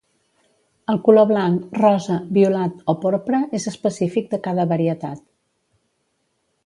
El color blanc, rosa, violat o porpra és específic de cada varietat.